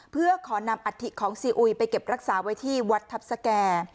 เพื่อขอนำอัฐิของซีอุยไปเก็บรักษาไว้ที่วัดทัพสแก่